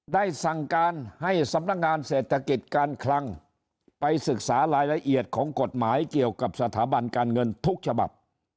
ได้สั่งการให้สำนักงานเศรษฐกิจการคลังไปศึกษารายละเอียดของกฎหมายเกี่ยวกับสถาบันการเงินทุกฉบับ